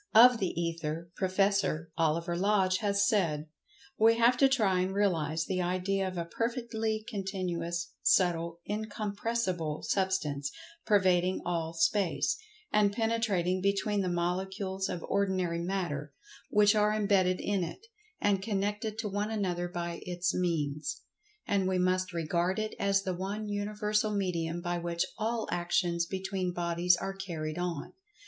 Of the Ether, Prof. Oliver Lodge has said, "We have to try and realize the idea of a perfectly continuous, subtle, incompressible sub[Pg 103]stance, pervading all Space, and penetrating between the molecules of ordinary Matter, which are imbedded in it, and connected to one another by its means. And we must regard it as the one universal medium by which all actions between bodies are carried on.